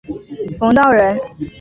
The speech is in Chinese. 冯道人。